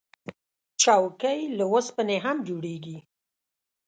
چوکۍ له اوسپنې هم جوړیږي.